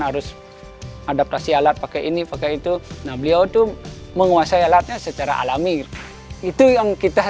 harus adaptasi alat pakai ini pakai itu nah beliau tuh menguasai alatnya secara alami itu yang kita